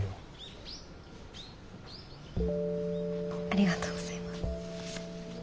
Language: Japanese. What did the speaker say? ありがとうございます。